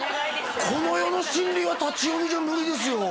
この世の真理は立ち読みじゃ無理ですよ